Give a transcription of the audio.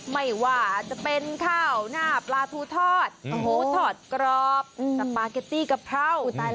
ไม่ว่าจะเป็นข้าวหน้าปลาทูทอดกรอบสปาเกตตี้กะเพรา